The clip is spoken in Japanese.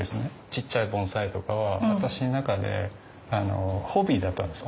ちっちゃい盆栽とかは私の中でホビーだったんです。